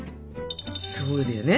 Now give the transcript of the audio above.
そうだよね。